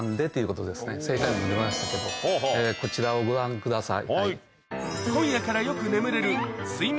正解出ましたけどこちらをご覧ください。